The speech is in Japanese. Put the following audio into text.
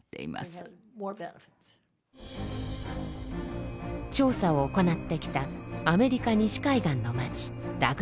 調査を行ってきたアメリカ西海岸の町ラグナウッズです。